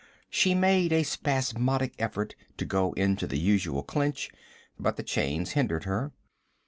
She made a spasmodic effort to go into the usual clinch, but the chains hindered her.